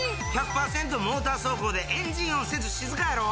モーター走行でエンジン音せず静かやろ？